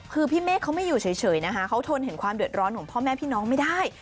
คือพี่เมฆเขาไม่อยู่เฉยนะคะเขาทนเห็นความเดือดร้อนของพ่อแม่พี่น้องไม่ได้